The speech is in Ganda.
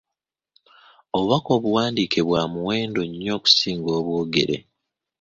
Obubaka obuwandiike bwa muwendo nnyo okusinga obwogere.